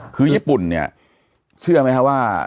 คือญี่ปุ่นเนี่ยเชื่อไหมครับว่า